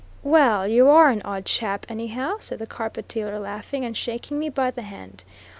"Well, you are an odd chap, any how," said the carpet dealer, laughing, and shaking me by the hand.